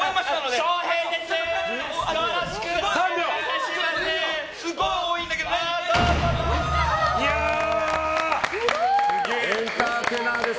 将平です！